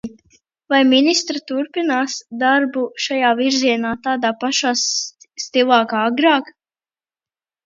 Vai ministrija turpinās darbu šajā virzienā tādā pašā stilā kā agrāk?